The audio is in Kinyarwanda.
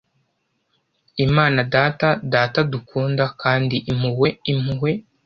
Imana Data Data dukunda; Kandi Impuhwe, Impuhwe,